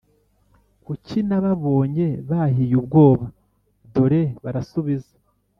Kuki nababonye bahiye ubwoba Dore barasubira